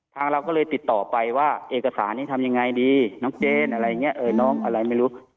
เราก็เลยติดต่อไปว่าเอกสารนี้ทำยังไงดีน้องเจนอะไรอย่างนี้น้องอะไรไม่รู้